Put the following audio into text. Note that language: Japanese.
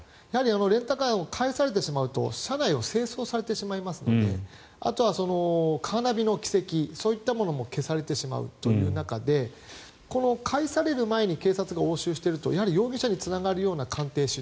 レンタカーを返されてしまうと車内を清掃されてしまいますのであとはカーナビの軌跡そういったものも消されてしまうという中で返される前に警察が押収してしまうと容疑者につながる鑑定資料